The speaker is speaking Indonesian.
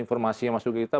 informasi yang masuk ke kita